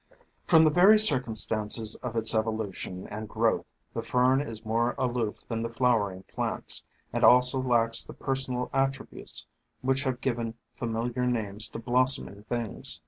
From the very circumstances of its evolution and growth, the Fern is more aloof than the flowering plants and also lacks the personal attributes which have given familiar names to blossoming things.